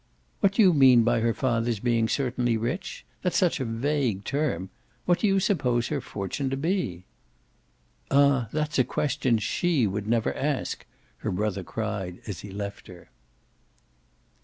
"What do you mean by her father's being certainly rich? That's such a vague term. What do you suppose his fortune to be?" "Ah that's a question SHE would never ask!" her brother cried as he left her.